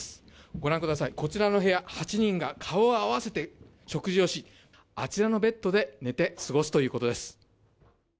ご覧ください、こちらの部屋８人が顔を合わせて食事をしあちらのベッドで寝て過ごすということです。